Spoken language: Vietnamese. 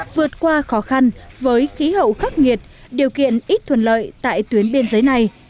vượt qua khó khăn với khí hậu khắc nghiệt điều kiện ít thuần lợi tại tuyến biên giới này